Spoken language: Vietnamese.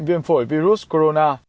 viêm phổi virus corona